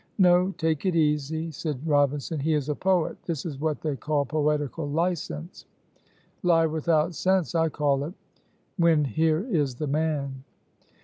"No! take it easy," said Robinson; "he is a poet; this is what they call poetical license." "Lie without sense, I call it when here is the man."